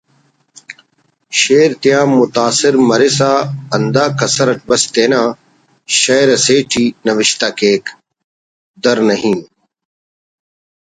شعر تیان متاثر مرسا ہندا کسر اٹ بس تینا شئیر اسیٹی نوشتہ کیک: در نعیم